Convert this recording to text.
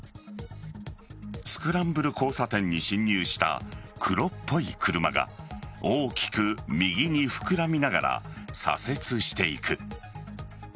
スクランブル交差点に進入した黒っぽい車が大きく右に膨らみながら左折していく。